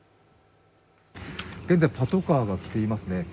現在パトカーが来ていますね。